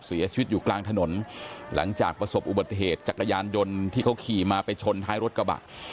เสียชีวิตอยู่กลางถนนหลังจากประสบอุบัติเหตุจักรยานยนต์ที่เขาขี่มาไปชนท้ายรถกระบะ